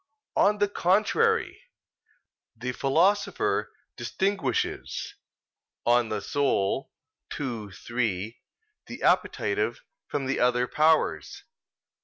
On the contrary, The Philosopher distinguishes (De Anima ii, 3) the appetitive from the other powers.